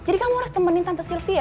jadi kamu harus temenin tante sylvia